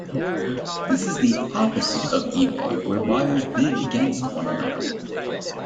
This is the opposite of eBay where buyers bid against one another.